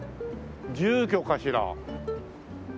住居かしら？